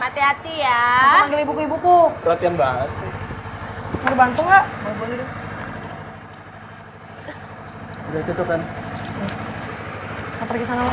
hati hati ya aku manggil ibuku ibuku perhatian bahas sih mau dibantu nggak